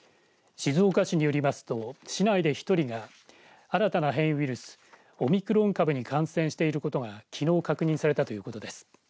静岡市によりますと市内で１人が新たな変異ウイルスオミクロン株に感染していることがきのう確認されたということです。